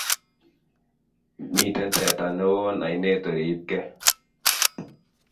Mitenteta t newon ainet oripkee.